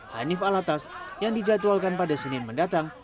hanif alatas yang dijadwalkan pada senin mendatang